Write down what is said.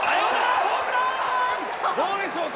どうでしょうか